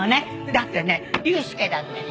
だってね悠介だってね